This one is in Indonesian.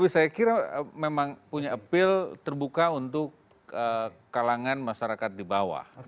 jadi saya kira memang punya appeal terbuka untuk kalangan masyarakat di bawah